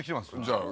じゃあ